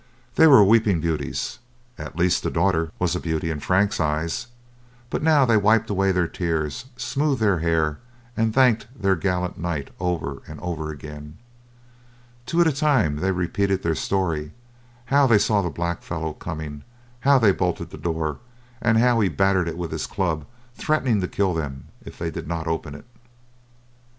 They were weeping beauties at least the daughter was a beauty in Frank's eyes but now they wiped away their tears, smoothed their hair, and thanked their gallant knight over and over again. Two at a time they repeated their story, how they saw the blackfellow coming, how they bolted the door, and how he battered it with his club, threatening to kill them if they did not open it.